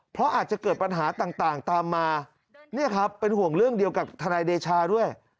เพราะอาจจะเกิดปัญหาต่างตามมาเนี่ยครับเป็นห่วงเรื่องเดียวกับทนายเดชาด้วย